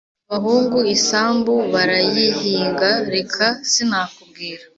Abahungu isambu barayihinga reka sinakubwira!